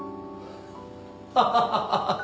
ハハハハッ！